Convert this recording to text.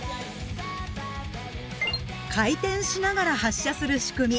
回転しながら発射する仕組み